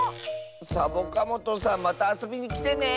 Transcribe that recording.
サボカもとさんまたあそびにきてね！